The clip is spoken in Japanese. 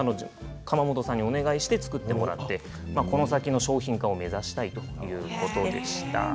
窯元さんにお願いして作ってもらってこの先の商品化を目指したいということでした。